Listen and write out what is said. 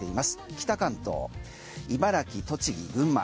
北関東、茨城、栃木、群馬